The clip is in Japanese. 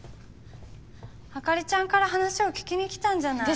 朱梨ちゃんから話を聞きに来たんじゃない。